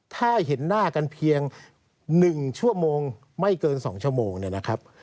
ถ้าเห็นหน้ากันเพียง๑ชั่วโมงไม่เกิน๒ชั่วโมงเนี่ยนะครับ